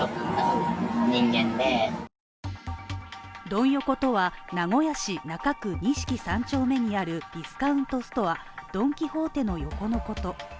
ドン横とは名古屋市中区錦３丁目にあるディスカウントストアドン・キホーテの横のこと。